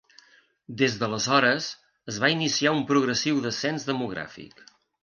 Des d'aleshores es va iniciar un progressiu descens demogràfic.